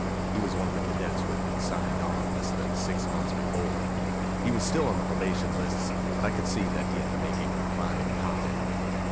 He was one of the cadets who had been signed on less than six months before. He was still on the probation lists, but I could see that he had the making of a fine cop in him.